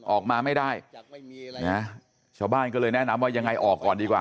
ออกมาไม่ได้นะชาวบ้านก็เลยแนะนำว่ายังไงออกก่อนดีกว่า